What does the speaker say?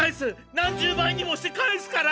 何十倍にもして返すから！